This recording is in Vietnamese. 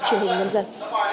truyền hình nhân dân